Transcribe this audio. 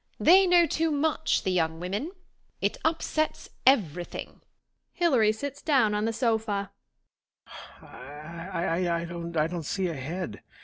They know too much, the young women. It upsets every thing. IHUary sits down on the sofaJi HILARY IBroken,"] I don't see ahead.